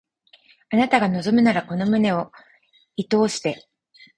あなたが望むならこの胸を射通して